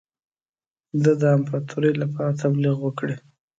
د ده د امپراطوری لپاره تبلیغ وکړي.